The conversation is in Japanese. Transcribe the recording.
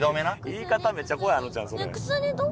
言い方めっちゃ怖いあのちゃんそれ。